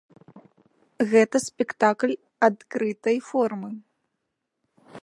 Гэта спектакль адкрытай формы.